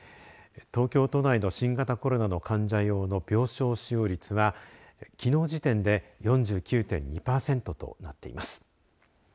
東京都内の新型コロナの患者用の病床使用率はきのう時点で４９．２パーセントとなっています。